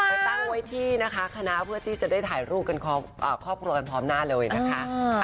ไปตั้งไว้ที่นะคะคณะเพื่อที่จะได้ถ่ายรูปกันครอบครัวกันพร้อมหน้าเลยนะคะ